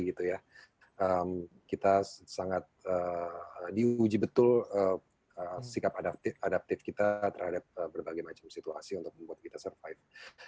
jadi kita sangat diuji betul sikap adaptif kita terhadap berbagai macam situasi untuk membuat kita bertahan